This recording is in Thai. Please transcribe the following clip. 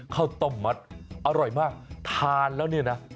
ข้าวต้มมัดอร่อยมากทานแล้วเนี่ยนะ